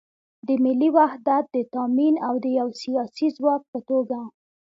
د ملي وحدت د تامین او د یو سیاسي ځواک په توګه